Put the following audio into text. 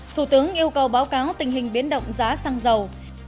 thủ tướng yêu cầu báo cáo tình hình biến động giá xăng dầu